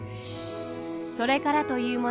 それからというもの